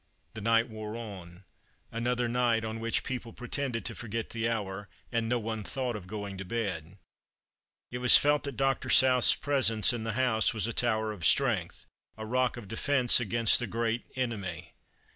The night wore on — another night on which people pretended to forget the hour, and no one thought of going to bed. It was felt that Dr. South's presence in the house was a tower of strength, a rock of defence against the Great Enemy.